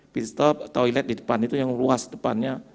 pitstop toilet di depan itu yang luas depannya